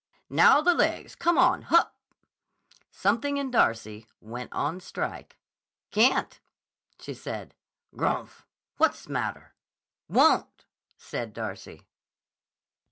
"Now the legs. Come on. Hup!" Something in Darcy went on strike. "Can't," she said. "Grmph! What's matter?" "Won't!" said Darcy.